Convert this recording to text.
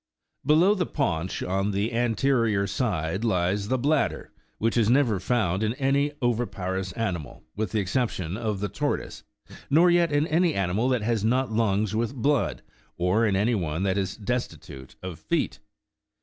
Below the paunch, on the anterior side, lies the bladder, which is never found in any oviparous animal, with the ex ception of the tortoise, nor yet in any animal that has not lungs with blood, or in any one that is destitute of feet.